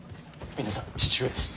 皆さん父上です！